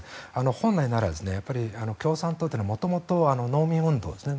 本来なら共産党というのは元々農民運動ですね